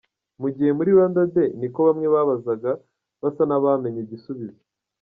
Mugiye muri “Rwanda Day?” Niko bamwe bababazaga, basa n’abamenye igisubizo.